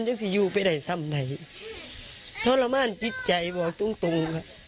ยังสิอยู่ไปไหนซัมไหนทรมานจิตใจบอกตรง